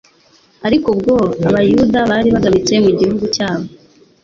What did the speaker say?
ariko ubwo abayuda bari bagamtse mu gihugu cyabo